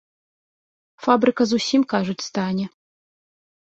Фабрыка зусім, кажуць, стане.